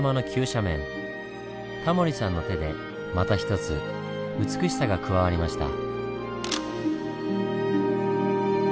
タモリさんの手でまた一つ美しさが加わりました。